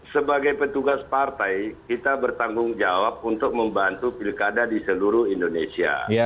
sebagai petugas partai kita bertanggung jawab untuk membantu pilkada di seluruh indonesia